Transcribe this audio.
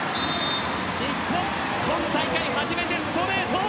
日本、今大会初めてストレート！